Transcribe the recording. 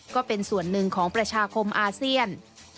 ก็เป็นส่วนหนึ่งของประชาคมอาเซียน